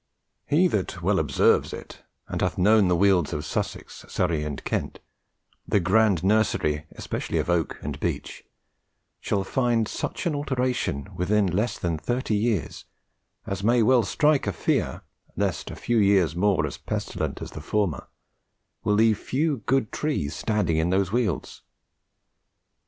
"He that well observes it, and hath known the welds of Sussex, Surry, and Kent', the grand nursery especially of oake and beech, shal find such an alteration, within lesse than 30 yeeres, as may well strike a feare, lest few yeeres more, as pestilent as the former, will leave fewe good trees standing in those welds.